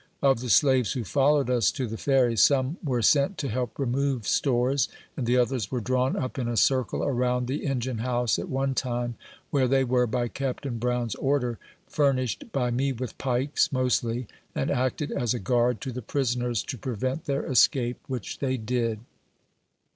Of the slaves who followed us to the Ferry, some ware sent to help remove stores, and the others were drawn up in a circle around the engine house, at one time, where they were, by Captain Brown's order, furnished by me with pikes, mostly, and acted as a guard to the prisoners to prevent their escape, which they did.